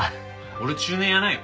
俺中年やないよ。